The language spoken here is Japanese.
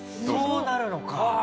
そうなるのか。